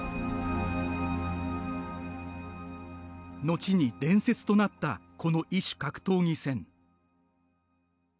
後に伝説となったこの異種格闘技戦。